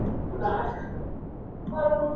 ايا ارسطو مشهور يوناني عالم و؟